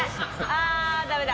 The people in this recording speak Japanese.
ああダメだ。